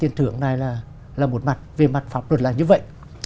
tiền thưởng này là một mặt về mặt pháp luật là như vậy